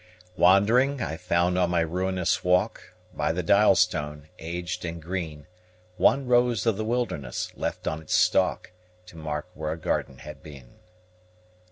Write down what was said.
Wandering, I found on my ruinous walk, By the dial stone, aged and green, One rose of the wilderness, left on its stalk, To mark where a garden had been.